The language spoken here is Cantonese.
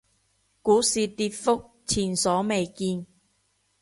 股市跌幅前所未見